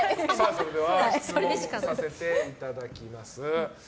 では、質問させていただきます。